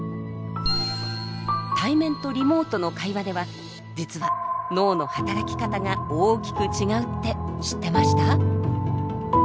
対面とリモートの会話では実は脳の働き方が大きく違うって知ってました？